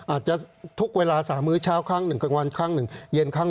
อาจจะทุกเวลา๓มื้อเช้าครั้งหนึ่งกลางวันครั้งหนึ่งเย็นครั้ง